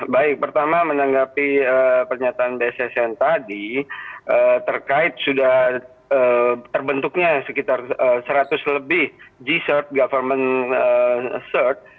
baik pertama menanggapi pernyataan bssn tadi terkait sudah terbentuknya sekitar seratus lebih g cert government cert